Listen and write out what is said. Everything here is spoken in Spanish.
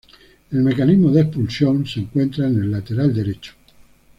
El mecanismo de expulsión se encuentra en el lateral derecho.